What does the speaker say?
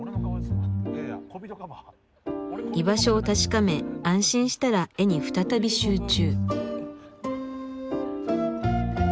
居場所を確かめ安心したら絵に再び集中。